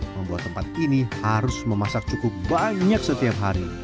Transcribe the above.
membuat tempat ini harus memasak cukup banyak setiap hari